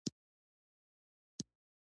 د خولې پریولل په غسل کي فرض دي.